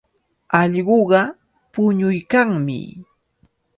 Allquqa puñuykanmi.